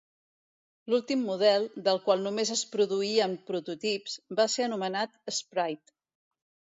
L'últim model, del qual només es produïen prototips, va ser anomenat Sprite.